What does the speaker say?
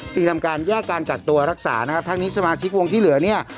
ทำการแยกการกักตัวรักษานะครับทั้งนี้สมาชิกวงที่เหลือเนี่ย